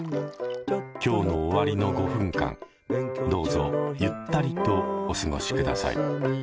今日の終わりの５分間どうぞゆったりとお過ごしください。